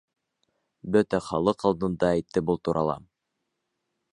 Бөтә халыҡ алдында әйтте был турала!